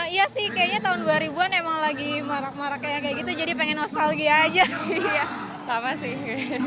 iya sih kayaknya tahun dua ribu an emang lagi marah marah kayak gitu jadi pengen nostalgia aja sama sih